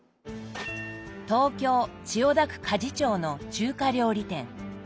東京・千代田区鍛冶町の中華料理店。